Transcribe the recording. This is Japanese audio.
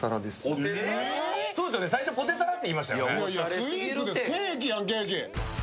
スイーツですケーキやん、ケーキ。